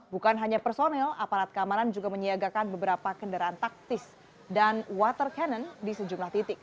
bukan hanya personel aparat keamanan juga menyiagakan beberapa kendaraan taktis dan water cannon di sejumlah titik